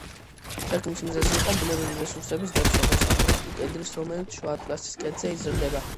შექმნის მიზეზი იყო ბუნებრივი რესურსების დაცვა, განსაკუთრებით კი კედრის, რომელიც შუა ატლასის ქედზე იზრდება.